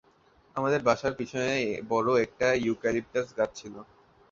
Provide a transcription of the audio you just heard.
আমাদের বাসার পিছনে বড়ো একটা ইউক্যালিপটাস গাছ ছিল।